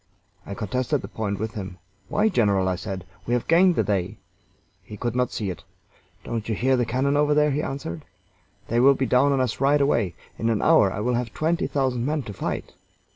I contested the point with him. "Why, general," I said, "we have gained the day." He could not see it. "Don't you hear the cannon over there?" he answered. "They will be down on us right away! In an hour I will have twenty thousand men to fight."